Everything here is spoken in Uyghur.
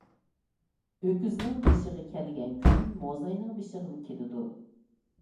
ئۆكۈزنىڭ بېشىغا كەلگەن كۈن موزاينىڭ بېشىغىمۇ كېلىدۇ.